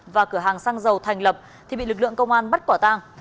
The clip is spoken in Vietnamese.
và cửa hàng xăng dầu thành lập thì bị lực lượng công an bắt quả tang